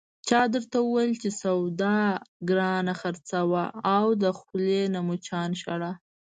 چا درته ویل چې سودا گرانه خرڅوه، اوس د خولې نه مچان شړه...